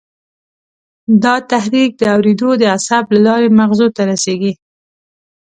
دا تحریک د اورېدو د عصب له لارې مغزو ته رسېږي.